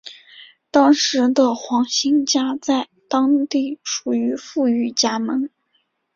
当时的黄兴家在当地属于富裕家门。